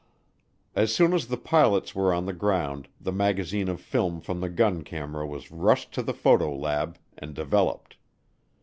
As soon as the pilots were on the ground, the magazine of film from the gun camera was rushed to the photo lab and developed.